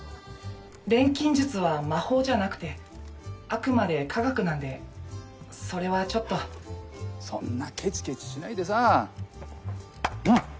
錬金術は魔法じゃなくてあくまで科学なんでそれはちょっとそんなケチケチしないでさんっ！